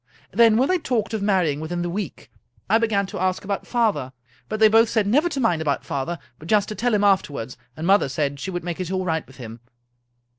Then, when they talked of marrying within the week, I began to ask about father ; but they both said never to mind about father, but just to tell him after wards and mother said she would make it all right with him.